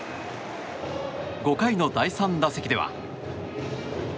５回の第３打席では。